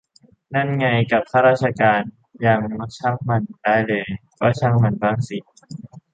นั่นไง กับข้าราชการยังช่างมันได้เลย ก็ช่างมันบ้างสิ